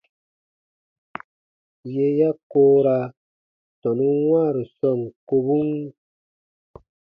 Yè ya koora tɔnun wãaru sɔɔn kobun.